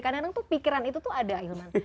kadang kadang tuh pikiran itu tuh ada hilman